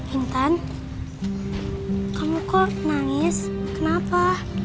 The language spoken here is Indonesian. intan kamu kok nangis kenapa